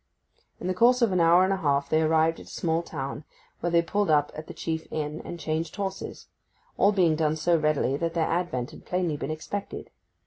In the course of an hour and a half they arrived at a small town, where they pulled up at the chief inn, and changed horses; all being done so readily that their advent had plainly been expected.